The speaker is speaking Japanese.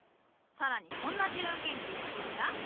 更にこんな自由研究はどうじゃ？